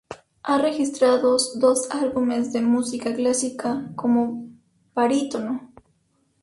Ha registrados dos álbumes de música clásica como barítono.